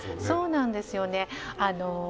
そうなんですよね